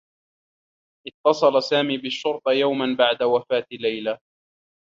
اتّصل سامي بالشّرطة يوما بعد وفاة ليلى.